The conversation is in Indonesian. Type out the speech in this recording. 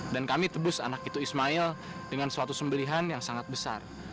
dan kami tebus anak itu ismail dengan suatu sembelihan yang sangat besar